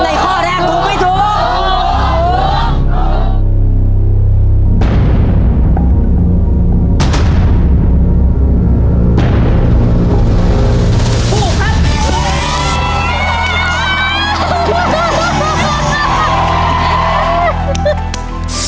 ในข้อแรกถูกไม่ถูก